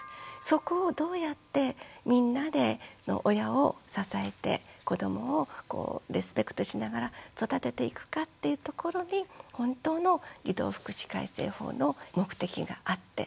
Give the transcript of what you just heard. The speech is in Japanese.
そこをどうやってみんなで親を支えて子どもをリスペクトしながら育てていくかっていうところに本当の児童福祉改正法の目的があって。